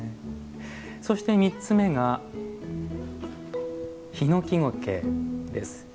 そして３つ目がヒノキゴケです。